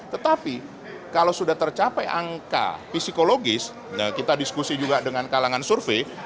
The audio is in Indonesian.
tetapi kalau sudah tercapai angka psikologis kita diskusi juga dengan kalangan survei